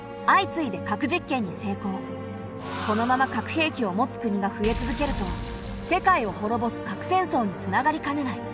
このまま核兵器を持つ国が増え続けると世界をほろぼす核戦争につながりかねない。